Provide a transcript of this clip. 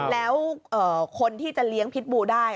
แล้วคนที่จะเลี้ยงพิษบูได้